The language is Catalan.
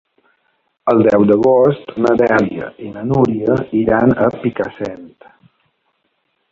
El deu d'agost na Dèlia i na Núria iran a Picassent.